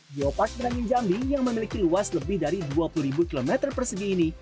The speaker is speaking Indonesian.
geopark merangin jambi yang memiliki luas lebih dari dua puluh km persegi ini